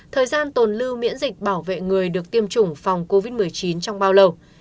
thời gian tồn lưu miễn dịch bảo vệ người được tiêm chủng phòng covid một mươi chín trong bao lâu